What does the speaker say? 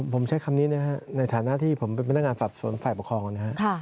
ผมใช้คำนี้นะครับในฐานะที่ผมเป็นพนักงานสอบสวนฝ่ายปกครองนะครับ